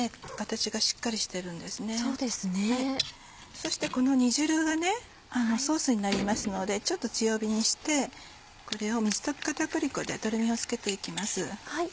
そしてこの煮汁はソースになりますのでちょっと強火にしてこれを水溶き片栗粉でとろみをつけていきます。